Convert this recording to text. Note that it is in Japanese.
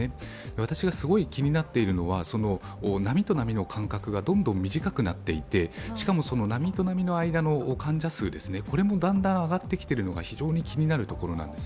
私がすごい気になっているのは、波と波の間隔がどんどん短くなっていてしかも、波と波の間の患者数もだんだん上がってきてるのが非常に気になるところです。